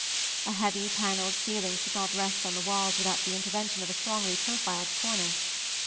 A heavy panelled ceiling should not rest on the walls without the intervention of a strongly profiled cornice.